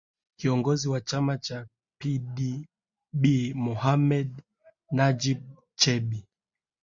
kiongozi wa chama cha pdb mohamed najib chebi